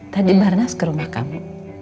tadi barnas ke rumah kamu